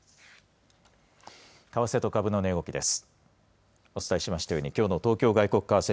為替と株の値動きです。